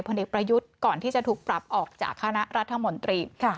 เด็กประยุทธ์ก่อนที่จะถูกปรับออกจากคณะรัฐมนตรี